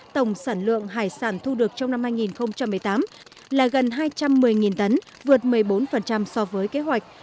tổng sản lượng hải sản thu được trong năm hai nghìn một mươi tám là gần hai trăm một mươi tấn vượt một mươi bốn so với kế hoạch